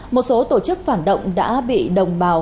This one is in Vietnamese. một số tổ chức phản động đã bị đồng bào